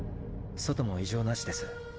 外も異常なしです。